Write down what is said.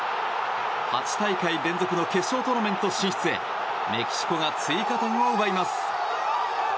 ８大会連続の決勝トーナメント進出へメキシコが追加点を奪います。